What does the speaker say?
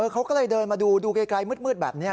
เขาก็เลยเดินมาดูดูไกลมืดแบบนี้